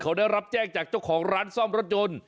เขาได้รับแจ้งจากเจ้าของร้านซ่อมรถยนต์